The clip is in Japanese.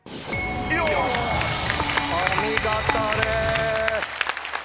お見事です。